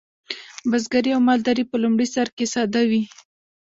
بزګري او مالداري په لومړي سر کې ساده وې.